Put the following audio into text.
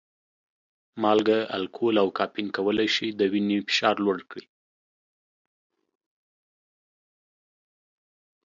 مالګه، الکول او کافین کولی شي د وینې فشار لوړ کړي.